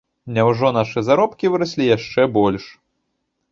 Няўжо нашы заробкі выраслі яшчэ больш?!